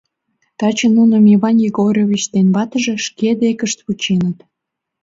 Таче нуным Иван Егорович ден ватыже шке декышт вученыт.